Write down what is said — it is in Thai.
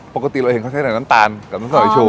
ปกติเราเห็นเขาใช้หนังน้ำตาลกับน้ำซอสไอชู